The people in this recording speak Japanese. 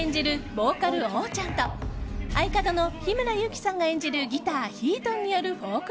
ボーカル・おーちゃんと相方の日村勇紀さんが演じるギター・ひーとんによるフォーク